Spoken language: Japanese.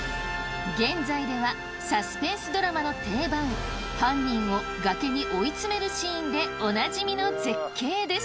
現在ではサスペンスドラマの定番犯人を崖に追い詰めるシーンでおなじみの絶景です。